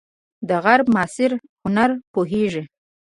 د غرب معاصر هنر پوهیږئ؟